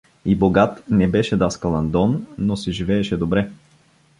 И богат не беше даскал Андон, но си живееше добре.